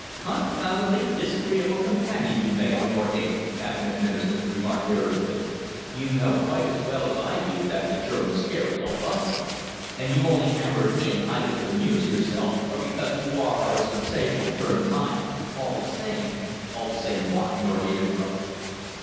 "Confoundedly disagreeable companion you make, Norgate," the Cabinet Minister remarked irritably. "You know quite as well as I do that the German scare is all bunkum, and you only hammer it in either to amuse yourself or because you are of a sensational turn of mind. All the same " "All the same, what?" Norgate interrupted.